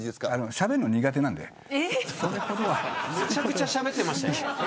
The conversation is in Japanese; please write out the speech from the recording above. しゃべるの苦手なんでめちゃくちゃしゃべってましたよ。